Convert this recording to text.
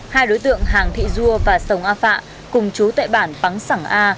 hai đối tượng hàng thị dua và sông a phạ cùng chú tại bản pắng sẳng a